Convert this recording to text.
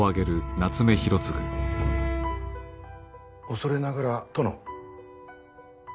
恐れながら殿。